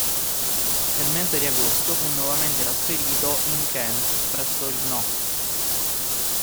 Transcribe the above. Nel mese di agosto fu nuovamente trasferito in Kent, presso il No.